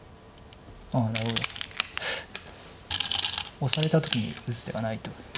オサれた時に打つ手がないと。